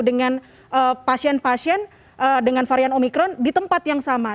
dengan pasien pasien dengan varian omikron di tempat yang sama